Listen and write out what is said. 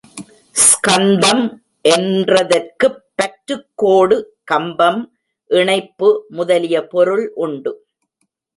ஸ்கந்தம் என்றதற்குப் பற்றுக்கோடு, கம்பம், இணைப்பு முதலிய பொருள் உண்டு.